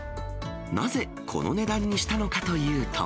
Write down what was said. なぜこの値段にしたのかというと。